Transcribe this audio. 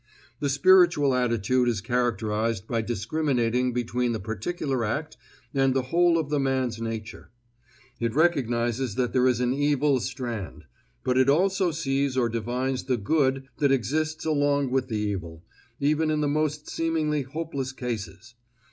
The spiritual attitude is characterized by discriminating between the particular act and the whole of the man's nature. It recognizes that there is an evil strand; but it also sees or divines the good that exists along with the evil, even in the most seemingly hopeless cases.